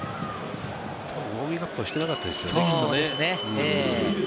ウオーミングアップをしていなかったですよね、きっとね。